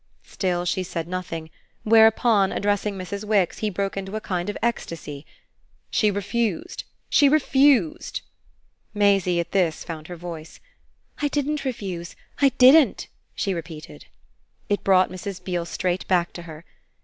Still she said nothing; whereupon, addressing Mrs. Wix, he broke into a kind of ecstasy. "She refused she refused!" Maisie, at this, found her voice. "I didn't refuse. I didn't," she repeated. It brought Mrs. Beale straight back to her.